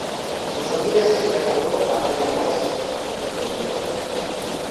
Su familia se trasladó a Mayagüez, donde fue criado.